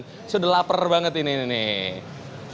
saya udah lapar banget ini nih